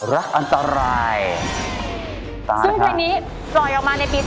ซึ่งเว้นนี้ถ่อยออกมาในปี๒๕๑๙